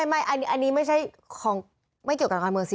ไม่อันนี้ไม่เกี่ยวกับการเมืองสิ